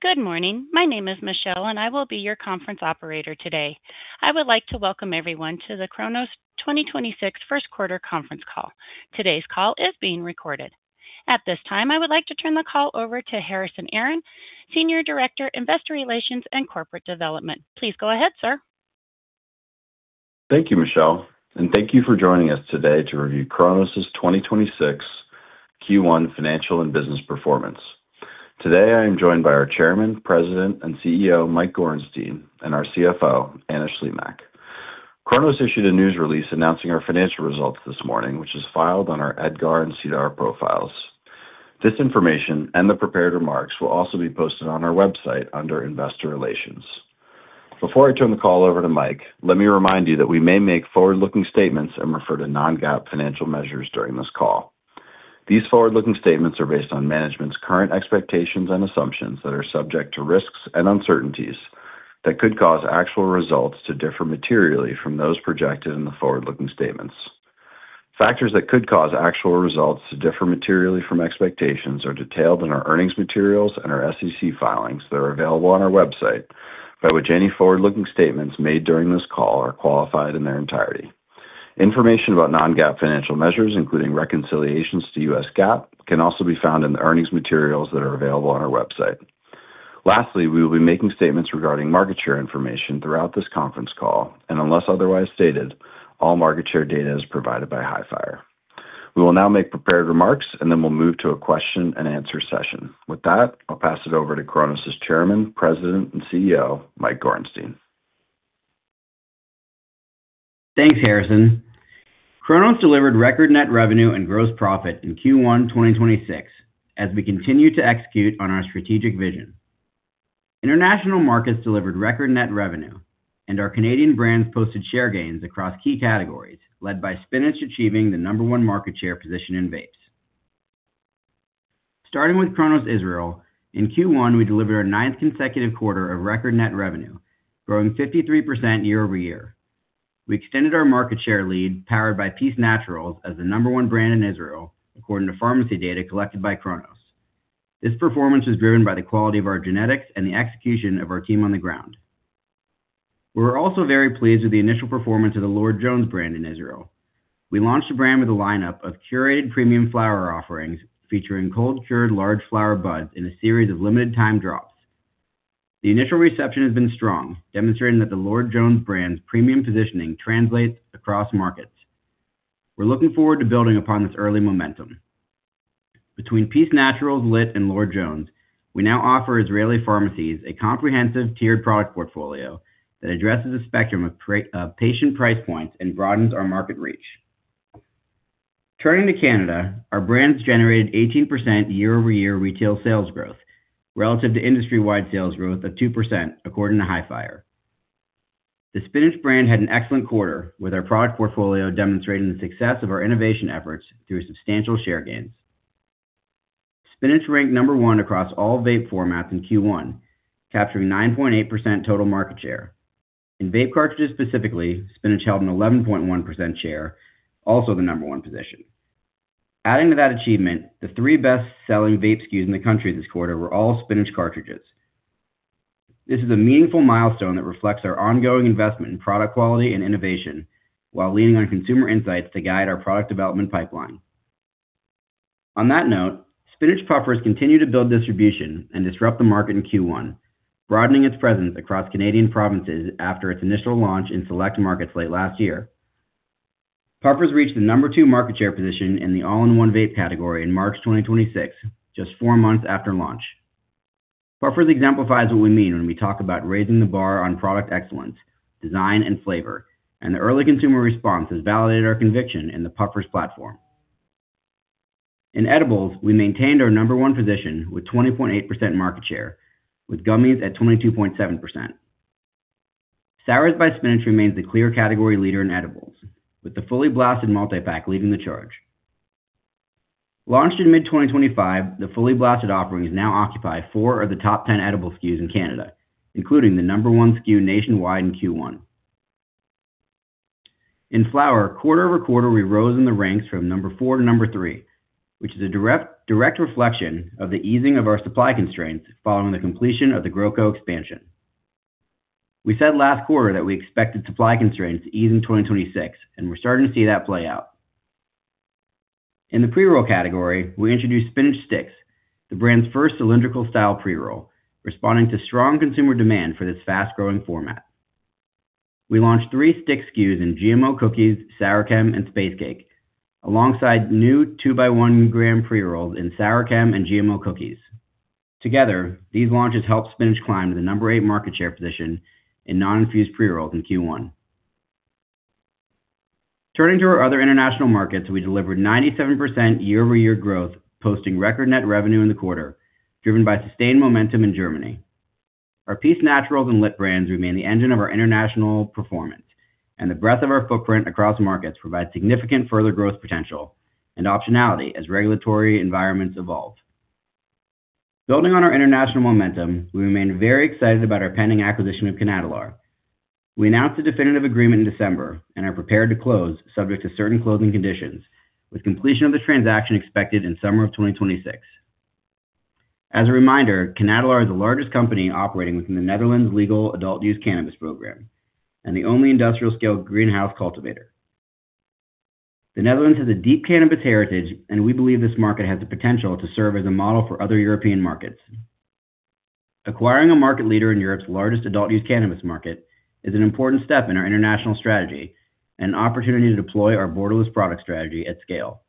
Good morning. My name is Michelle. I will be your conference operator today. I would like to welcome everyone to the Cronos 2026 First Quarter Conference Call. Today's call is being recorded. At this time, I would like to turn the call over to Harrison Aaron, Senior Director, Investor Relations and Corporate Development. Please go ahead, sir. Thank you, Michelle, and thank you for joining us today to review Cronos's 2026 Q1 financial and business performance. Today, I am joined by our Chairman, President, and CEO, Mike Gorenstein, and our CFO, Anna Shlimak. Cronos issued a news release announcing our financial results this morning, which is filed on our EDGAR and SEDAR profiles. This information and the prepared remarks will also be posted on our website under Investor Relations. Before I turn the call over to Mike, let me remind you that we may make forward-looking statements and refer to non-GAAP financial measures during this call. These forward-looking statements are based on management's current expectations and assumptions that are subject to risks and uncertainties that could cause actual results to differ materially from those projected in the forward-looking statements. Factors that could cause actual results to differ materially from expectations are detailed in our earnings materials and our SEC filings that are available on our website, by which any forward-looking statements made during this call are qualified in their entirety. Information about non-GAAP financial measures, including reconciliations to US GAAP, can also be found in the earnings materials that are available on our website. Lastly, we will be making statements regarding market share information throughout this conference call, and unless otherwise stated, all market share data is provided by Hifyre. We will now make prepared remarks, and then we'll move to a question-and-answer session. With that, I'll pass it over to Cronos's Chairman, President, and CEO, Mike Gorenstein. Thanks, Harrison. Cronos delivered record net revenue and gross profit in Q1 2026 as we continue to execute on our strategic vision. International markets delivered record net revenue, and our Canadian brands posted share gains across key categories, led by Spinach achieving the number one market share position in vapes. Starting with Cronos Israel, in Q1, we delivered our ninth consecutive quarter of record net revenue, growing 53% year-over-year. We extended our market share lead, powered by Peace Naturals as the number one brand in Israel, according to pharmacy data collected by Cronos. This performance was driven by the quality of our genetics and the execution of our team on the ground. We are also very pleased with the initial performance of the Lord Jones brand in Israel. We launched the brand with a lineup of curated premium flower offerings featuring cold-cured large flower buds in a series of limited time drops. The initial reception has been strong, demonstrating that the Lord Jones brand's premium positioning translates across markets. We're looking forward to building upon this early momentum. Between PEACE NATURALS, LIT, and Lord Jones, we now offer Israeli pharmacies a comprehensive tiered product portfolio that addresses a spectrum of patient price points and broadens our market reach. Turning to Canada, our brands generated 18% year-over-year retail sales growth relative to industry-wide sales growth of 2%, according to Hifyre. The Spinach brand had an excellent quarter, with our product portfolio demonstrating the success of our innovation efforts through substantial share gains. Spinach ranked number one across all vape formats in Q1, capturing 9.8% total market share. In vape cartridges specifically, Spinach held an 11.1% share, also the number one position. Adding to that achievement, the three best-selling vape SKUs in the country this quarter were all Spinach cartridges. This is a meaningful milestone that reflects our ongoing investment in product quality and innovation while leaning on consumer insights to guide our product development pipeline. On that note, Spinach PUFFERZ continue to build distribution and disrupt the market in Q1, broadening its presence across Canadian provinces after its initial launch in select markets late last year. PUFFERZ reached the number two market share position in the all-in-one vape category in March 2026, just four months after launch. PUFFERZ exemplifies what we mean when we talk about raising the bar on product excellence, design, and flavor, and the early consumer response has validated our conviction in the PUFFERZ platform. In edibles, we maintained our number one position with 20.8% market share, with gummies at 22.7%. SOURZ by Spinach remains the clear category leader in edibles, with the Fully Blasted multipack leading the charge. Launched in mid-2025, the Fully Blasted offerings now occupy four of the top 10 edible SKUs in Canada, including the number one SKU nationwide in Q1. In flower, quarter-over-quarter, we rose in the ranks from number four to number three, which is a direct reflection of the easing of our supply constraints following the completion of the Cronos GrowCo expansion. We said last quarter that we expected supply constraints to ease in 2026, and we're starting to see that play out. In the pre-roll category, we introduced Spinach STIX, the brand's first cylindrical style pre-roll, responding to strong consumer demand for this fast-growing format. We launched three stick SKUs in GMO Cookies, Sour Chem, and Space Cake, alongside new 2-by-1 gram pre-rolls in Sour Chem and GMO Cookies. Together, these launches helped Spinach climb to the number eight market share position in non-infused pre-rolls in Q1. Turning to our other international markets, we delivered 97% year-over-year growth, posting record net revenue in the quarter, driven by sustained momentum in Germany. Our PEACE NATURALS and LIT brands remain the engine of our international performance, and the breadth of our footprint across markets provides significant further growth potential and optionality as regulatory environments evolve. Building on our international momentum, we remain very excited about our pending acquisition of CanAdelaar. We announced the definitive agreement in December and are prepared to close subject to certain closing conditions, with completion of the transaction expected in summer of 2026. As a reminder, CanAdelaar are the largest company operating within the Netherlands legal adult use cannabis program and the only industrial-scale greenhouse cultivator. The Netherlands has a deep cannabis heritage, and we believe this market has the potential to serve as a model for other European markets. Acquiring a market leader in Europe's largest adult use cannabis market is an important step in our international strategy and an opportunity to deploy our borderless product strategy at scale.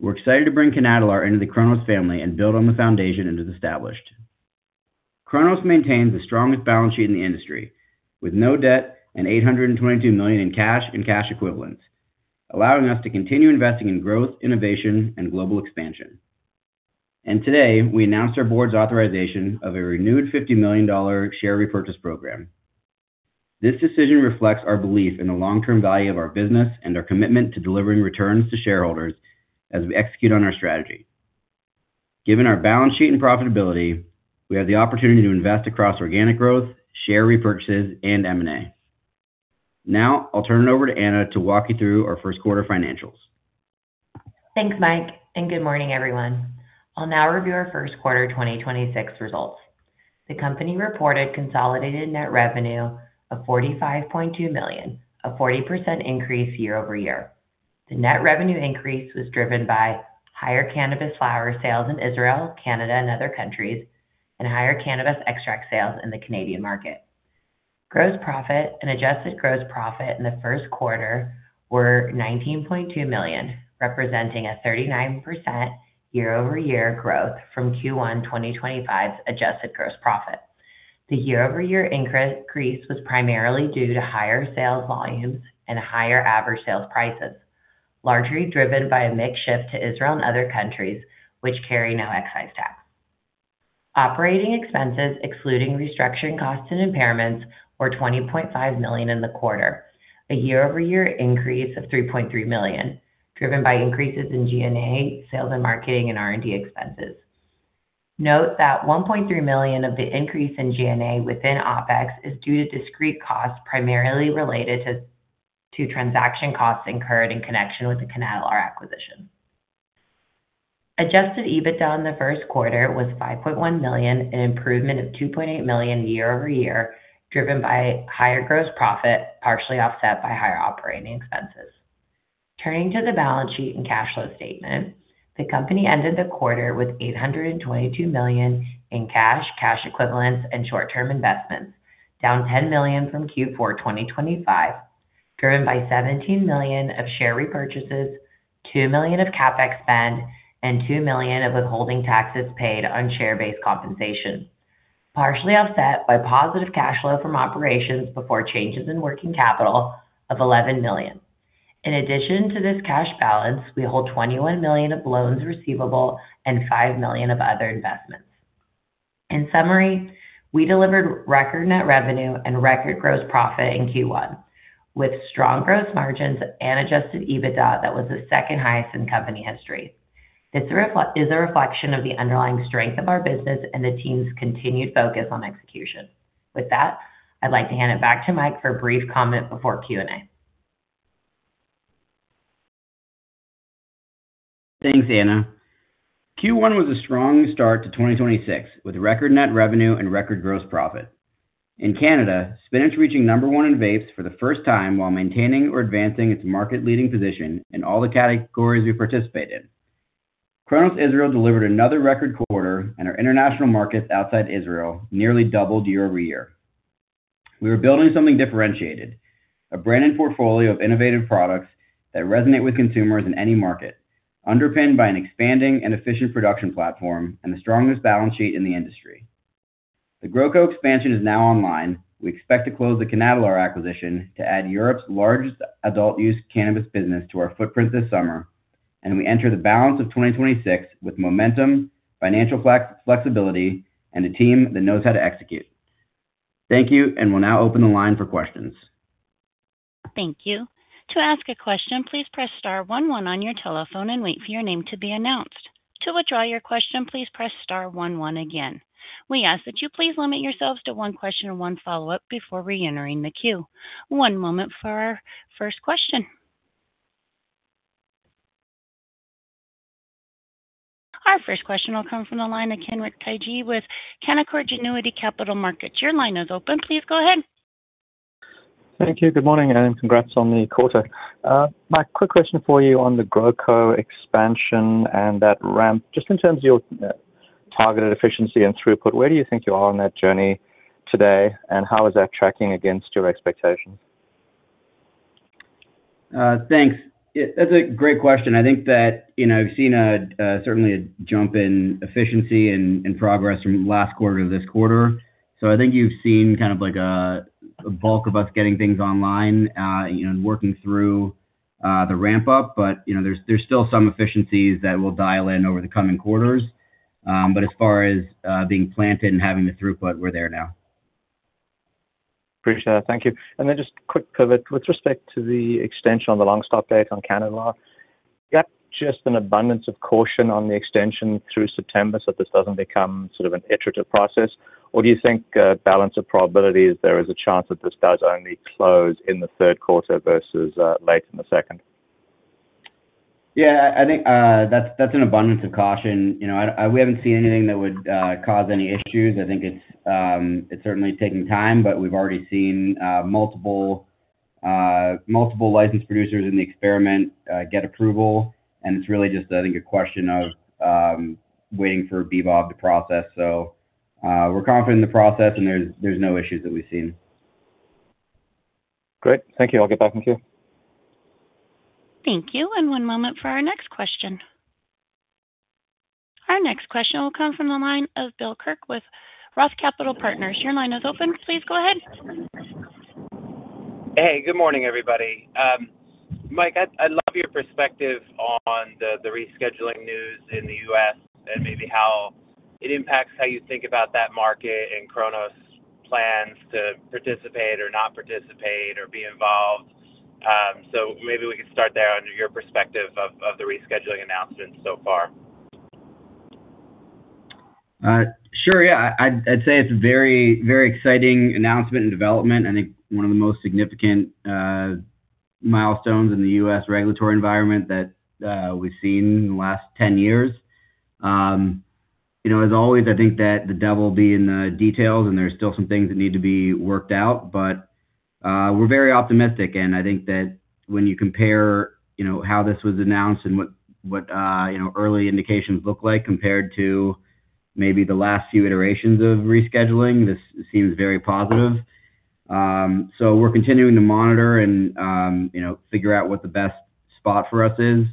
We're excited to bring CanAdelaar our end of the Cronos family and build on the foundation it has established. Cronos maintains the strongest balance sheet in the industry, with no debt and 822 million in cash and cash equivalents, allowing us to continue investing in growth, innovation and global expansion. Today, we announced our board's authorization of a renewed 50 million dollar share repurchase program. This decision reflects our belief in the long-term value of our business and our commitment to delivering returns to shareholders as we execute on our strategy. Given our balance sheet and profitability, we have the opportunity to invest across organic growth, share repurchases, and M&A. Now I'll turn it over to Anna to walk you through our first quarter financials. Thanks, Mike. Good morning, everyone. I'll now review our first quarter 2026 results. The company reported consolidated net revenue of 45.2 million, a 40% increase year-over-year. The net revenue increase was driven by higher cannabis flower sales in Israel, Canada, and other countries, and higher cannabis extract sales in the Canadian market. Gross profit and adjusted gross profit in the first quarter were 19.2 million, representing a 39% year-over-year growth from Q1 2025's adjusted gross profit. The year-over-year increase was primarily due to higher sales volumes and higher average sales prices, largely driven by a mix shift to Israel and other countries which carry no excise tax. Operating expenses excluding restructuring costs and impairments were 20.5 million in the quarter, a year-over-year increase of 3.3 million, driven by increases in G&A, sales and marketing, and R&D expenses. Note that 1.3 million of the increase in G&A within OpEx is due to discrete costs primarily related to transaction costs incurred in connection with the CanAdelaar acquisition. Adjusted EBITDA in the first quarter was 5.1 million, an improvement of 2.8 million year-over-year, driven by higher gross profit, partially offset by higher operating expenses. Turning to the balance sheet and cash flow statement. The company ended the quarter with 822 million in cash equivalents and short-term investments, down 10 million from Q4 2025, driven by 17 million of share repurchases, 2 million of CapEx spend, and 2 million of withholding taxes paid on share-based compensation, partially offset by positive cash flow from operations before changes in working capital of 11 million. In addition to this cash balance, we hold 21 million of loans receivable and 5 million of other investments. In summary, we delivered record net revenue and record gross profit in Q1, with strong gross margins and adjusted EBITDA that was the second-highest in company history. It is a reflection of the underlying strength of our business and the team's continued focus on execution. With that, I'd like to hand it back to Mike for a brief comment before Q&A. Thanks, Anna. Q1 was a strong start to 2026, with record net revenue and record gross profit. In Canada, Spinach reaching number one in vapes for the first time while maintaining or advancing its market-leading position in all the categories we participate in. Cronos Israel delivered another record quarter, and our international markets outside Israel nearly doubled year-over-year. We are building something differentiated: a branded portfolio of innovative products that resonate with consumers in any market, underpinned by an expanding and efficient production platform and the strongest balance sheet in the industry. The Cronos GrowCo expansion is now online. We expect to close the CanAdelaar acquisition to add Europe's largest adult-use cannabis business to our footprint this summer, and we enter the balance of 2026 with momentum, financial flexibility, and a team that knows how to execute. Thank you. We'll now open the line for questions. Thank you. To ask a question, please press star one one on your telephone and wait for your name to be announced. To withdraw your question, please press star one one again. We ask that you please limit yourselves to one question and one follow-up before reentering the queue. One moment for our first question. Our first question will come from the line of Kenric Tyghe with Canaccord Genuity Capital Markets. Your line is open. Please go ahead. Thank you. Good morning, congrats on the quarter. Mike, quick question for you on the GrowCo expansion and that ramp. Just in terms of your targeted efficiency and throughput, where do you think you are on that journey today, and how is that tracking against your expectations? Thanks. That's a great question. I think that, you know, we've seen a certainly a jump in efficiency and progress from last quarter to this quarter. I think you've seen kind of like a bulk of us getting things online, you know, and working through the ramp-up. You know, there's still some efficiencies that we'll dial in over the coming quarters. As far as being planted and having the throughput, we're there now. Appreciate it. Thank you. Then just a quick pivot. With respect to the extension on the long stop date on CanAdelaar, just an abundance of caution on the extension through September so this doesn't become sort of an iterative process. Do you think, balance of probabilities, there is a chance that this does only close in the third quarter versus, late in the second? Yeah. I think that's an abundance of caution. You know, we haven't seen anything that would cause any issues. I think it's certainly taking time, but we've already seen multiple licensed producers in the experiment get approval, and it's really just I think a question of waiting for Bibob to process. We're confident in the process, and there's no issues that we've seen. Great. Thank you. I'll get back in queue. Thank you, and one moment for our next question. Our next question will come from the line of Bill Kirk with Roth Capital Partners. Your line is open. Please go ahead. Hey, good morning, everybody. Mike, I'd love your perspective on the rescheduling news in the U.S. and maybe how it impacts how you think about that market and Cronos plans to participate or not participate or be involved. Maybe we could start there under your perspective of the rescheduling announcement so far. Sure, yeah. I'd say it's very, very exciting announcement and development, and one of the most significant milestones in the U.S. regulatory environment that we've seen in the last 10 years. You know, as always, I think that the devil will be in the details, and there's still some things that need to be worked out. We're very optimistic, and I think that when you compare, you know, how this was announced and what, you know, early indications look like compared to maybe the last few iterations of rescheduling, this seems very positive. We're continuing to monitor and, you know, figure out what the best spot for us is.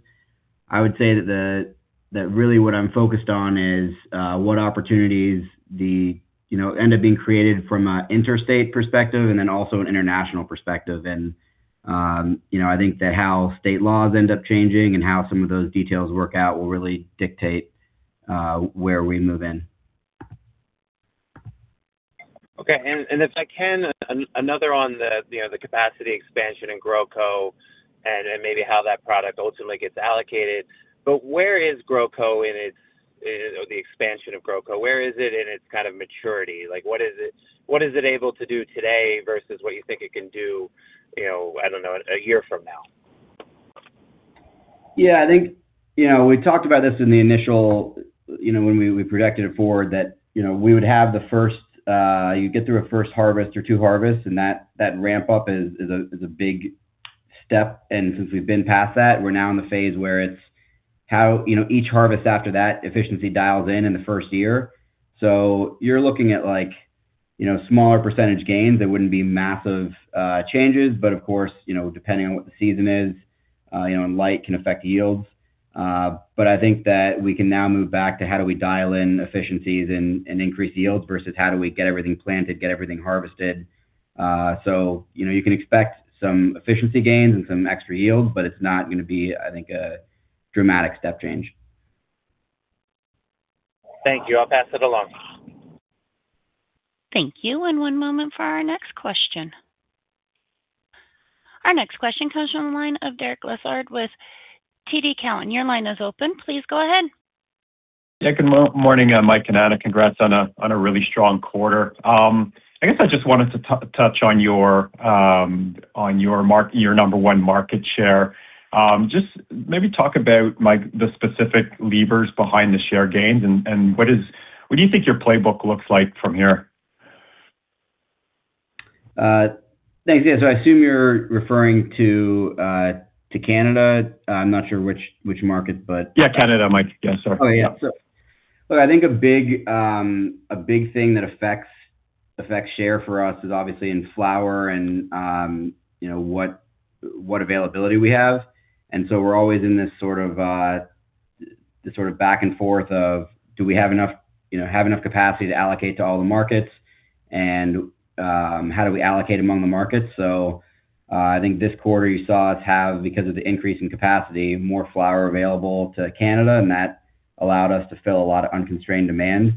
I would say that really what I'm focused on is what opportunities the, you know, end up being created from a interstate perspective and then also an international perspective. You know, I think that how state laws end up changing and how some of those details work out will really dictate where we move in. Okay. If I can, another on the, you know, the capacity expansion in GrowCo and maybe how that product ultimately gets allocated. Where is GrowCo in its or the expansion of GrowCo, where is it in its kind of maturity? Like, what is it able to do today versus what you think it can do, you know, I don't know, a year from now? I think, you know, we talked about this in the initial, you know, when we projected it forward that, you know, we would have the first, you get through a first harvest or two harvests, and that ramp up is a big step. Since we've been past that, we're now in the phase where it's how, you know, each harvest after that efficiency dials in in the first year. You're looking at like, you know, smaller percentage gains. There wouldn't be massive changes, of course, you know, depending on what the season is, you know, light can affect yields. I think that we can now move back to how do we dial in efficiencies and increase yields versus how do we get everything planted, get everything harvested. You know, you can expect some efficiency gains and some extra yields, but it's not gonna be, I think, a dramatic step change. Thank you. I'll pass it along. Thank you, and one moment for our next question. Our next question comes from the line of Derek Lessard with TD Cowen. Your line is open. Please go ahead. Good morning, Mike and Anna. Congrats on a really strong quarter. I guess I just wanted to touch on your number one market share. Just maybe talk about, Mike, the specific levers behind the share gains and what do you think your playbook looks like from here? Thanks. Yeah, I assume you're referring to Canada. I'm not sure which market. Yeah, Canada, Mike. Yeah, sorry. Oh, yeah. Look, I think a big thing that affects share for us is obviously in flower and, you know, what availability we have. We're always in this sort of back and forth of do we have enough, you know, capacity to allocate to all the markets? How do we allocate among the markets? I think this quarter you saw us have, because of the increase in capacity, more flower available to Canada, and that allowed us to fill a lot of unconstrained demand.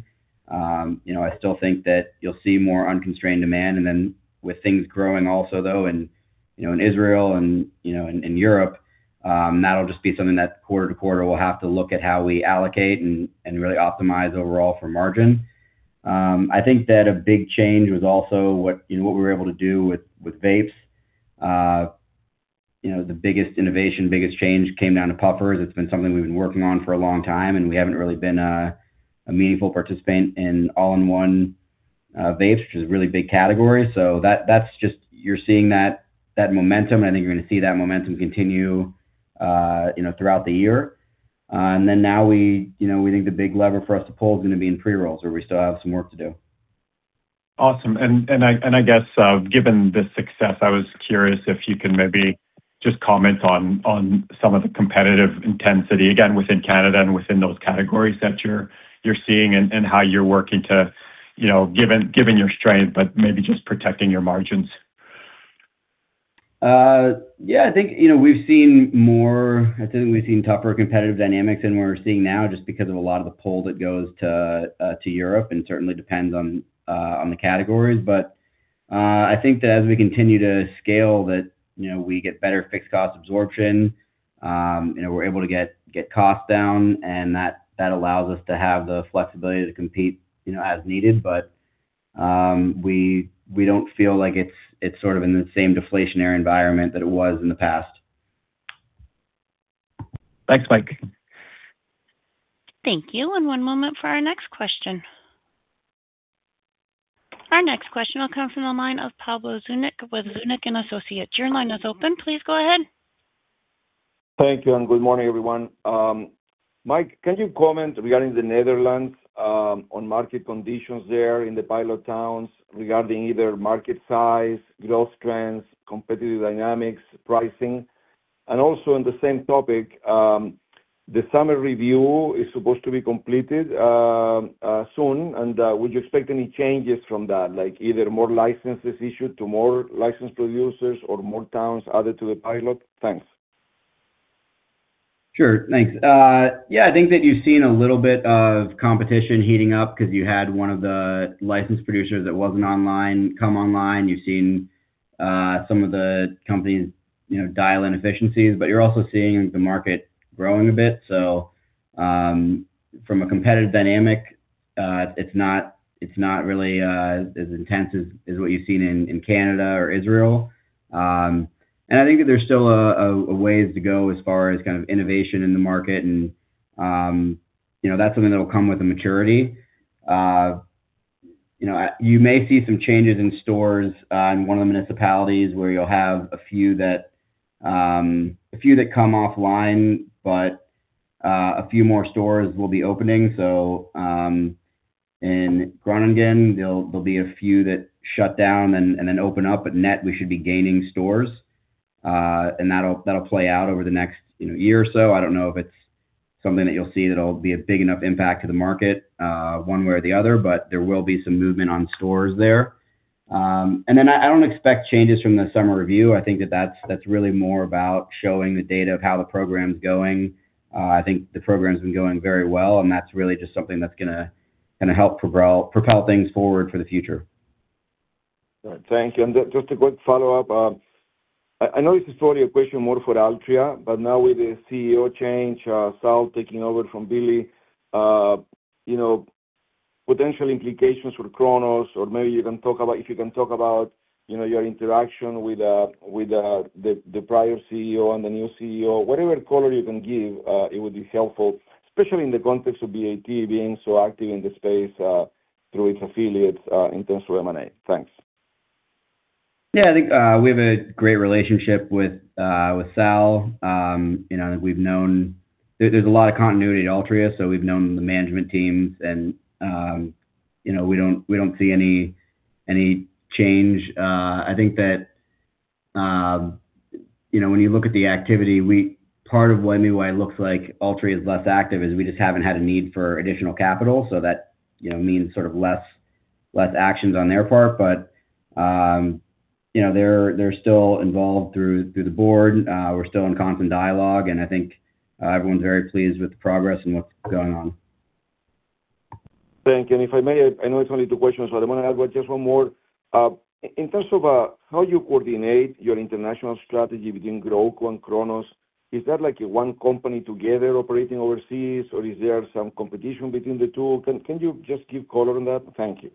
You know, I still think that you'll see more unconstrained demand. Then with things growing also, though, in, you know, in Israel and, you know, in Europe, that'll just be something that quarter to quarter we'll have to look at how we allocate and really optimize overall for margin. I think that a big change was also what, you know, what we were able to do with vapes. You know, the biggest innovation, biggest change came down to PUFFERZ. It's been something we've been working on for a long time, and we haven't really been a meaningful participant in all-in-one vapes, which is a really big category. That's just you're seeing that momentum, and I think you're gonna see that momentum continue, you know, throughout the year. Now we, you know, we think the big lever for us to pull is gonna be in pre-rolls, where we still have some work to do. Awesome. I guess, given the success, I was curious if you can maybe just comment on some of the competitive intensity, again, within Canada and within those categories that you're seeing and how you're working to, you know, given your strength, but maybe just protecting your margins? Yeah, I think, you know, we've seen more, I'd say we've seen tougher competitive dynamics than we're seeing now just because of a lot of the pull that goes to Europe and certainly depends on the categories. I think that as we continue to scale, that, you know, we get better fixed cost absorption. You know, we're able to get costs down, and that allows us to have the flexibility to compete, you know, as needed. We don't feel like it's sort of in the same deflationary environment that it was in the past. Thanks, Mike. Thank you. One moment for our next question. Our next question will come from the line of Pablo Zuanic with Zuanic & Associates. Your line is open. Please go ahead. Thank you, and good morning, everyone. Mike, can you comment regarding the Netherlands, on market conditions there in the pilot towns regarding either market size, growth trends, competitive dynamics, pricing? Also in the same topic, the summer review is supposed to be completed soon, and would you expect any changes from that, like either more licenses issued to more licensed producers or more towns added to the pilot? Thanks. Sure. Thanks. I think that you've seen a little bit of competition heating up because you had one of the licensed producers that wasn't online come online. You've seen some of the companies, you know, dial in efficiencies, you're also seeing the market growing a bit. From a competitive dynamic, it's not really as intense as what you've seen in Canada or Israel. I think that there's still a ways to go as far as kind of innovation in the market and, you know, that's something that will come with the maturity. You know, you may see some changes in stores in one of the municipalities where you'll have a few that come offline, a few more stores will be opening. In Groningen, there'll be a few that shut down and then open up, but net, we should be gaining stores. That'll play out over the next, you know, year or so. I don't know if it's something that you'll see that'll be a big enough impact to the market, one way or the other, but there will be some movement on stores there. I don't expect changes from the summer review. I think that's really more about showing the data of how the program's going. I think the program's been going very well, and that's really just something that's gonna help propel things forward for the future. All right. Thank you. Just a quick follow-up. I know this is probably a question more for Altria, but now with the CEO change, Sal taking over from Billy, you know, potential implications for Cronos or maybe if you can talk about, you know, your interaction with the prior CEO and the new CEO. Whatever color you can give, it would be helpful, especially in the context of BAT being so active in this space through its affiliates in terms of M&A. Thanks. Yeah, I think, we have a great relationship with Sal. You know, we've known There's a lot of continuity at Altria, so we've known the management teams and, you know, we don't see any change. I think that, you know, when you look at the activity, part of why, maybe why it looks like Altria is less active is we just haven't had a need for additional capital. That, you know, means sort of less actions on their part. You know, they're still involved through the board. We're still in constant dialogue, and I think, everyone's very pleased with the progress and what's going on. Thank you. If I may, I know it's only two questions, but I want to add just one more. In terms of how you coordinate your international strategy between GrowCo and Cronos, is that like one company together operating overseas, or is there some competition between the two? Can you just give color on that? Thank you.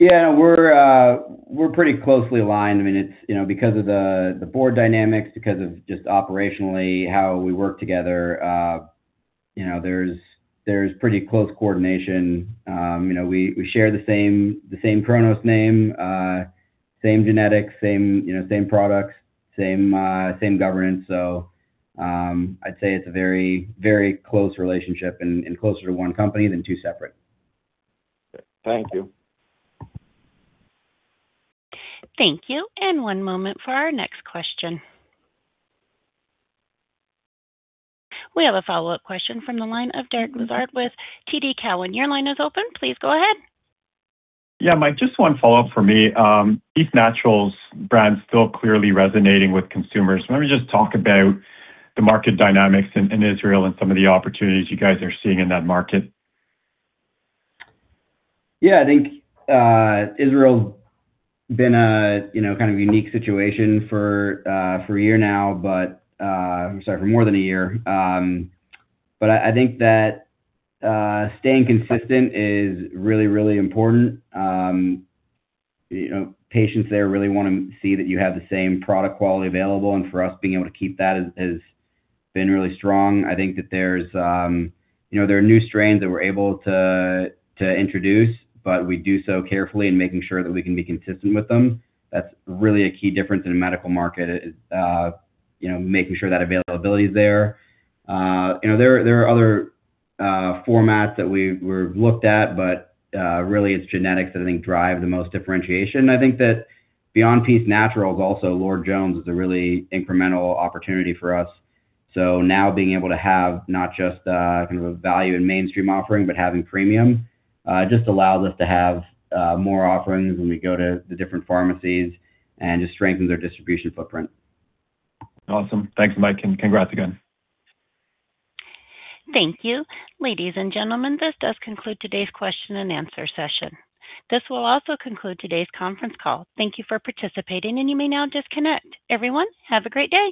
We're, we're pretty closely aligned. I mean, it's, you know, because of the board dynamics, because of just operationally how we work together, you know, there's pretty close coordination. You know, we share the same, the same Cronos name, same genetics, same, you know, same products, same governance. I'd say it's a very, very close relationship and closer to one company than two separate. Thank you. Thank you. One moment for our next question. We have a follow-up question from the line of Derek Lessard with TD Cowen. Your line is open. Please go ahead. Yeah, Mike, just one follow-up from me. PEACE NATURALS brand still clearly resonating with consumers. Maybe just talk about the market dynamics in Israel and some of the opportunities you guys are seeing in that market. Yeah, I think Israel's been a, you know, kind of unique situation for a year now, I'm sorry, for more than a year. I think that staying consistent is really, really important. You know, patients there really wanna see that you have the same product quality available, and for us, being able to keep that has been really strong. I think that there's, you know, there are new strains that we're able to introduce, but we do so carefully and making sure that we can be consistent with them. That's really a key difference in a medical market, you know, making sure that availability is there. You know, there are other formats that were looked at, but really its genetics that I think drive the most differentiation. I think that beyond PEACE NATURALS, also Lord Jones is a really incremental opportunity for us. Now being able to have not just kind of a value in mainstream offering, but having premium just allows us to have more offerings when we go to the different pharmacies and just strengthen their distribution footprint. Awesome. Thanks, Mike, and congrats again. Thank you. Ladies and gentlemen, this does conclude today's question and answer session. This will also conclude today's conference call. Thank you for participating, and you may now disconnect. Everyone, have a great day.